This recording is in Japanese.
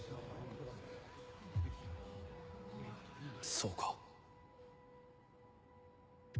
そうか。